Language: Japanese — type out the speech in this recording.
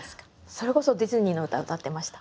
それこそディズニーの歌歌ってました。